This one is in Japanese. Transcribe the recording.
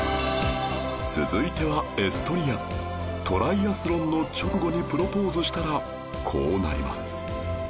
続いてはエストニアトライアスロンの直後にプロポーズしたらこうなります